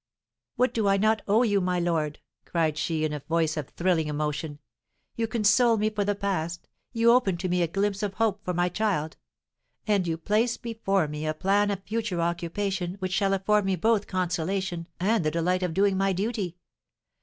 "What do I not owe you, my lord?" cried she, in a voice of thrilling emotion; "you console me for the past; you open to me a glimpse of hope for my child; and you place before me a plan of future occupation which shall afford me both consolation and the delight of doing my duty.